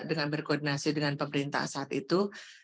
dengan berkoordinasi dengan pemerintah saat itu